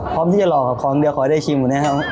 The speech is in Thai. พร้อมที่จะรอครับครั้งเดียวขอให้ได้ชิมนะครับ